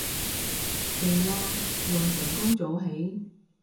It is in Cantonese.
勁喎，又成功早起